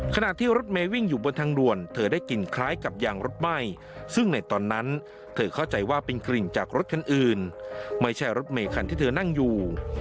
ขณะที่รถเมย์วิ่งอยู่บนทางด่วนเธอได้กลิ่นคล้ายกับยางรถไหม้ซึ่งในตอนนั้นเธอเข้าใจว่าเป็นกลิ่นจากรถคันอื่นไม่ใช่รถเมคันที่เธอนั่งอยู่